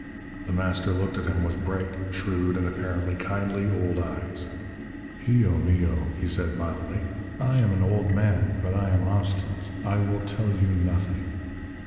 The Master looked at him with bright, shrewd, and apparently kindly old eyes. "Hijo mio," he said mildly, "I am an old man. But I am obstinate. I will tell you nothing."